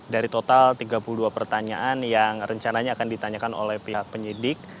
dari total tiga puluh dua pertanyaan yang rencananya akan ditanyakan oleh pihak penyidik